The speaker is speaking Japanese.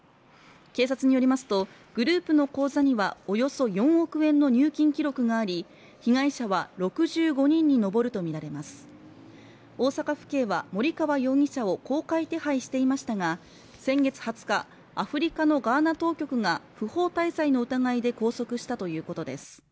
警察によりますとグループの口座にはおよそ４億円の入金記録があり被害者は６５人に上ると見られます大阪府警は森川容疑者を公開手配していましたが先月２０日アフリカのガーナ当局が不法滞在の疑いで拘束したということです